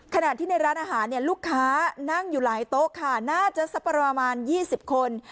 ขณะที่ในร้านอาหารเนี่ยลูกค้านั่งอยู่หลายโต๊ะค่ะน่าจะสักประมาณ๒๐คน